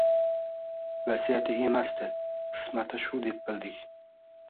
Vasiyati emasdi, qismati shu deb bildik